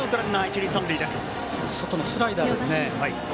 外のスライダーでしたね。